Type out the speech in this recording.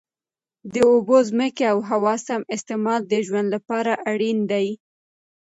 د اوبو، ځمکې او هوا سم استعمال د ژوند لپاره اړین دی.